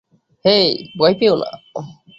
হেই- ভয় পেয়ো না!